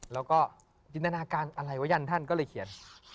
แล้วก็จินตนาการอะไรวะยันท่านก็เลยเขียน